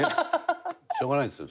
しょうがないですよ